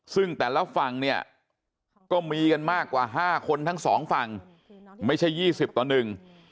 ซึ่งแต่ละฝั่งเนี่ยก็มีกันมากกว่าห้าคนทั้งสองฝั่งไม่ใช่ยี่สิบต่อหนึ่ง